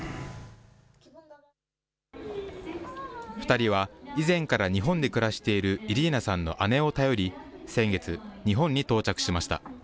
２人は、以前から日本で暮らしているイリーナさんの姉を頼り、先月、日本に到着しました。